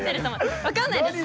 分かんないですか。